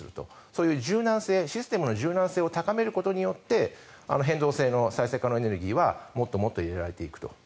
そういう柔軟性システムの柔軟性を高めることによって変動制の再生可能エネルギーはもっともっと入れられていくと。